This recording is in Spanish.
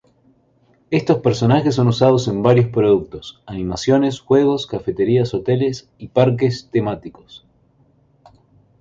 Estos personajes son usados en varios productos, animaciones, juegos, cafeterías, hoteles y parques temáticos.